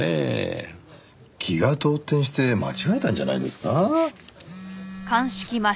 気が動転して間違えたんじゃないですか？